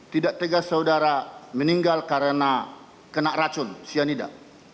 tidak tegas saudara meninggal karena kena racun cyanida